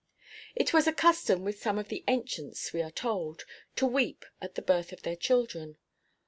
It was a custom with some of the ancients, we are told, to weep at the birth of their children.